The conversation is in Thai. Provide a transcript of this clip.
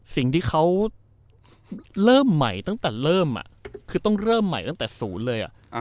สิ่งที่เขาเริ่มใหม่ตั้งแต่เริ่มคือต้องเริ่มใหม่ตั้งแต่ศูนย์เลย